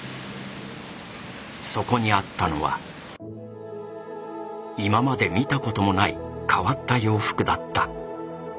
そこにあったのは今まで見たこともない変わった洋服だった。